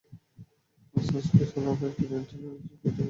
মস্তকে সাধারণত একজোড়া অ্যান্টিনি ও একজোড়া পুঞ্জাক্ষি থাকে।